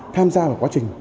tham gia vào quá trình